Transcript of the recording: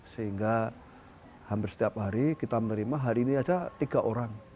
sehingga hampir setiap hari kita menerima hari ini saja tiga orang